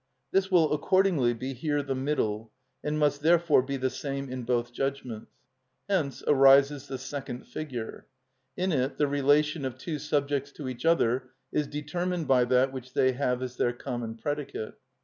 This will accordingly be here the middle, and must therefore be the same in both judgments. Hence arises the second figure. In it the relation of two subjects to each other is determined by that which they have as their common predicate.